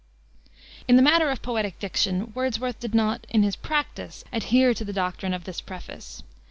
In the matter of poetic diction Wordsworth did not, in his practice, adhere to the doctrine of this preface.